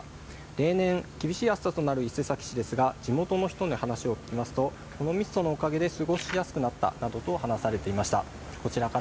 例年、厳しい暑さとなる伊勢崎市ですが、地元の人に話を聞きますとこのミストのおかげで過ごしやすくなったなどと話されていました。